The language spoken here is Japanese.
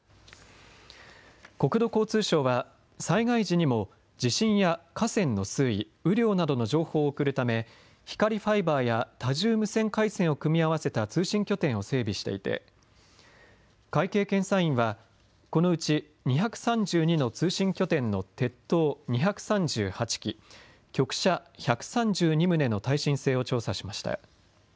国土交通省は災害時にも地震や河川の水位、雨量などの情報を送るため、光ファイバーや多重無線回線を組み合わせた通信拠点を整備していて会計検査院はこのうち２３２の通信拠点の鉄塔２３８基、局舎１３２棟の耐震性を調査しました。